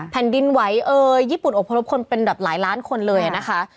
แผ่นดินไหวเอ่ยญี่ปุ่นอบพรบคนเป็นแบบหลายล้านคนเลยนะคะ